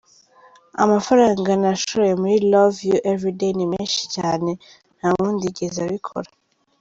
Amafaranga nashoye muri ‘Love you everyday’ ni menshi cyane, nta wundi wigeze abikora.